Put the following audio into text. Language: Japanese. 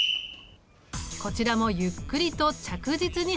こちらもゆっくりと着実に走り出した。